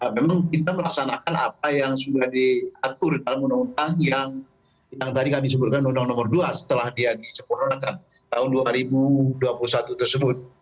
memang kita melaksanakan apa yang sudah diatur dalam undang undang yang tadi kami sebutkan undang undang nomor dua setelah dia disempurnakan tahun dua ribu dua puluh satu tersebut